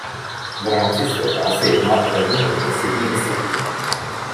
V rámci světa se jedná o velmi progresivní disciplínu.